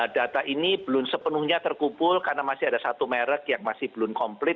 data ini belum sepenuhnya terkumpul karena masih ada satu merek yang masih belum komplit